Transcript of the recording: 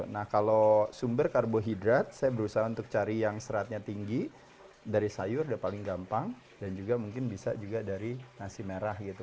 nah kalau sumber karbohidrat saya berusaha untuk cari yang seratnya tinggi dari sayur udah paling gampang dan juga mungkin bisa juga dari nasi merah gitu